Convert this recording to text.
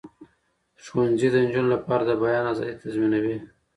ښوونځي د نجونو لپاره د بیان آزادي تضمینوي.